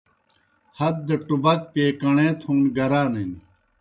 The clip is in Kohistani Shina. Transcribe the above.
ہت دہ ٹُبَک پیے کݨے تھون گرانِن۔